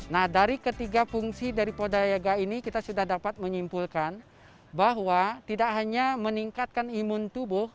nah dari ketiga fungsi dari podayaga ini kita sudah dapat menyimpulkan bahwa tidak hanya meningkatkan imun tubuh